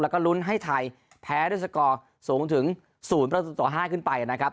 แล้วก็ลุ้นให้ไทยแพ้ด้วยสกอร์สูงถึง๐ประตูต่อ๕ขึ้นไปนะครับ